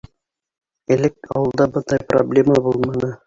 Элек ауылда бындай проблема булманы.